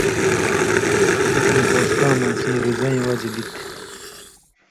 بِڅاں کوستاں مہ اسیں رِزَئیں وجہۡ گی تھی؟